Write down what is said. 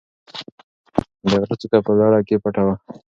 د غره څوکه په لړه کې پټه وه.